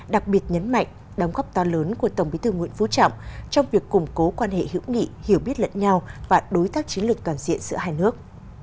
đặc biệt nhấn mạnh đóng góp to lớn của tổng bí thư nguyễn phú trọng trong việc củng cố quan hệ hữu nghị hiểu biết lẫn nhau và đối tác chiến lược toàn diện giữa hai nước